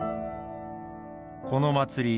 この祭り